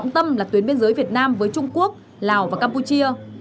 tâm là tuyến biên giới việt nam với trung quốc lào và campuchia